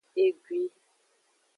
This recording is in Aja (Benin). Egui.